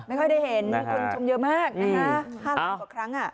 ไม่ค่อยได้เห็นคนชมเยอะมากนะคะ๕ล้านกว่าครั้ง